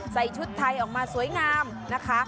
ใส่ชุดไทยออกมาสวยงามนะคะ